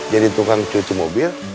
jadi tukang cuci mobil